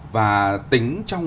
và tính trong